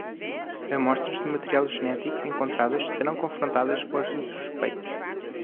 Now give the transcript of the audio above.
Amostras de material genético encontradas serão confrontadas com as dos suspeitos